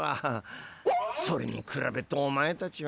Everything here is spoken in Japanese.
それにくらべてお前たちは。